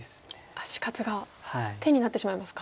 あっ死活が手になってしまいますか。